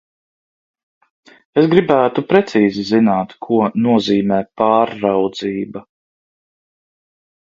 Es gribētu precīzi zināt, ko nozīmē pārraudzība.